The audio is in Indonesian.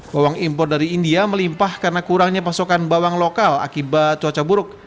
bawang impor dari india melimpah karena kurangnya pasokan bawang lokal akibat cuaca buruk